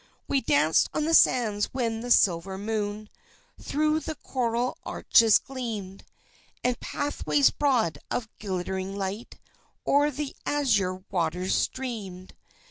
We danced on the sands when the silver moon Through the coral arches gleamed, And pathways broad of glittering light O'er the azure waters streamed.